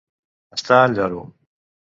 Estar al lloro.